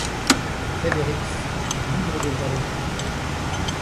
Fredericks, et libre de droits d’auteur.